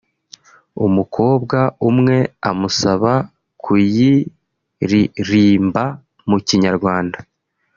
umukobwa umwe amusaba kuyiririmba mu kinyarwanda